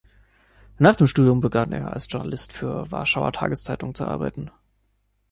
Nach dem Studium begann er als Journalist für Warschauer Tageszeitungen zu arbeiten.